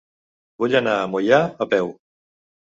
Vull anar a Moià a peu.